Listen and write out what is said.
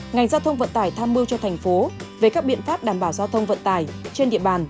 ngành giao thông vận tải tham mưu cho thành phố về các biện pháp đảm bảo giao thông vận tải trên địa bàn